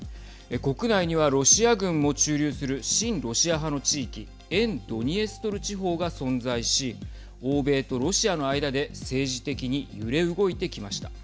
国内にはロシア軍も駐留する親ロシア派の地域沿ドニエストル地方が存在し欧米とロシアの間で政治的に揺れ動いてきました。